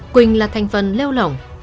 quỳnh là thành phần leo lỏng